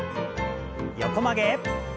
横曲げ。